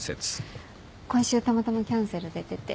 今週たまたまキャンセル出てて。